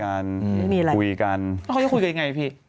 เขาจะคุยกันอย่างไรพี่